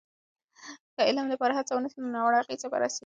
که د علم لپاره نه هڅه وسي، نو ناوړه اغیزې به راسي.